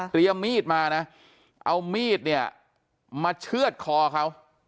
มีดมานะเอามีดเนี่ยมาเชื่อดคอเขา